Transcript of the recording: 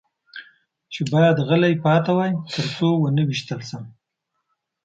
چې باید غلی پاتې وای، تر څو و نه وېشتل شم.